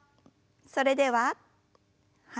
それでははい。